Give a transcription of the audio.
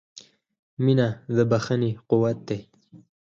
• مینه د بښنې قوت دی.